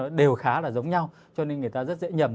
nó đều khá là giống nhau cho nên người ta rất dễ nhầm